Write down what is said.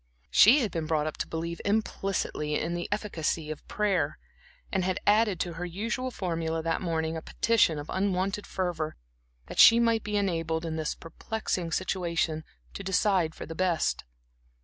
She had been brought up to believe implicitly in the efficacy of prayer, and had added to her usual formula that morning a petition of unwonted fervor that she might be enabled in this perplexing situation to decide for the best.